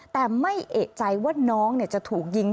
แต่ไม่เอกใจว่าน้องจะถูกยิง